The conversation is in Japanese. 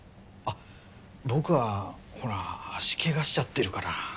僕はほら足怪我しちゃってるから。